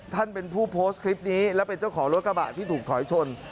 ท่านเป็นผู้โพสต์คลิปนี้และเป็นเจ้าของรถกระบะที่ถูกถอยชน